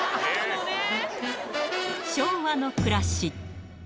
昭和の暮らし。